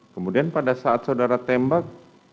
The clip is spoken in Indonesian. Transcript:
kemudian pada saat saudara tembak